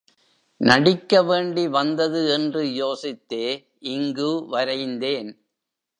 நடிக்க வேண்டி வந்தது என்று யோசித்தே இங்கு வரைந்தேன்.